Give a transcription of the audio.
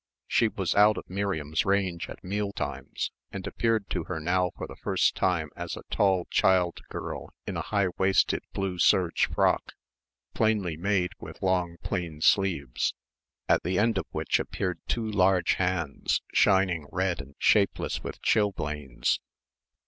She was out of Miriam's range at meal times and appeared to her now for the first time as a tall child girl in a high waisted, blue serge frock, plainly made with long plain sleeves, at the end of which appeared two large hands shining red and shapeless with chilblains.